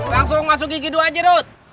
langsung masuk gigi dua aja rut